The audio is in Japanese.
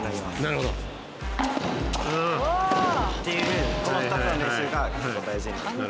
なるほど。っていうこの２つの練習が結構大事になります。